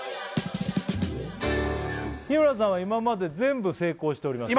日村さんは今まで全部成功しております